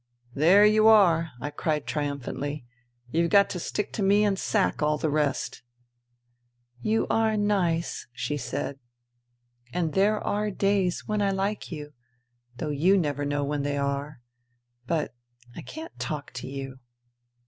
"" There you are !" I cried triumphantly. " You've got to stick to me and sack all the rest !"" You are nice," she said, " and there are days when I like you — ^though you never know when they are. But ... I can't talk to you."